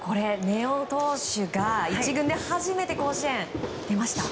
根尾投手が１軍で初めて甲子園、出ました。